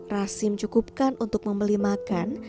rasim cukupkan untuk membeli makan